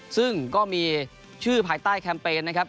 ซึ่งก็มีชื่อภายใต้แคมเปญนะครับ